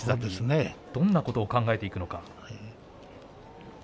どんなこと考えていくのか。